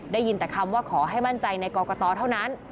ได้ยินแต่คำว่าขอให้มั่นใจในกรกตเท่านั้น